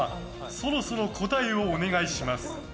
そろそろ答えをお願いします。